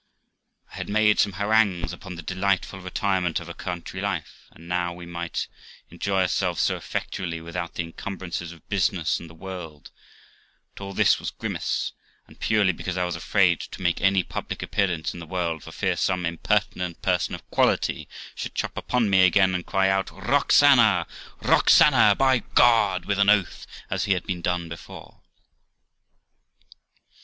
I had made some harangues upon the delightful retirement of a country life, and how we might enjoy ourselves so effectually without the encum brances of business and the world ; but all this was grimace, and purely because I was afraid to make any public appearance in the world, for fear some impertinent person of quality should chop upon me again, and cry out ' Roxana, Roxana, by !' with an oath, as had been done before.